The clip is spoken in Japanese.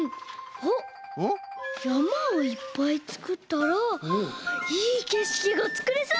おっやまをいっぱいつくったらいいけしきがつくれそう！